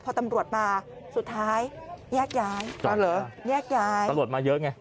พอตำรวจมาสุดท้ายแยกย้ายตำรวจมาเยอะไง